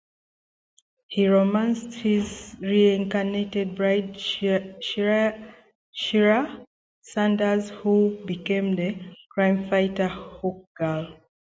He romanced his reincarnated bride, Shiera Sanders, who became the crimefighter Hawkgirl.